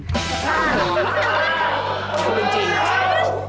ใช่